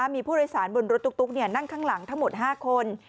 มีผู้โดยสารบนรถตุ๊กนั่งข้างหลังทั้งหมด๕คน